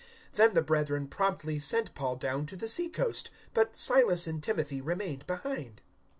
017:014 Then the brethren promptly sent Paul down to the sea coast, but Silas and Timothy remained behind.